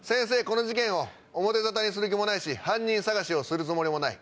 この事件を表沙汰にする気も犯人捜しをするつもりもない。